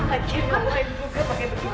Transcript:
akhirnya mama yang ruga pakai begitu